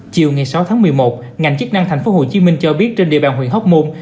chiều sáu một mươi một ngành chức năng tp hcm cho biết trên địa bàn huyện hóc môn